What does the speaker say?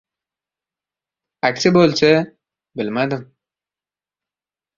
Aksi boʻlsa, bilmadim.